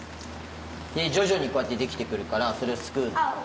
で徐々にこうやってできてくるからそれをすくうの。